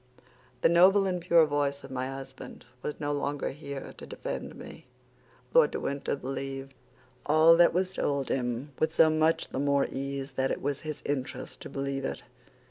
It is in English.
The noble and pure voice of my husband was no longer here to defend me. Lord de Winter believed all that was told him with so much the more ease that it was his interest to believe it.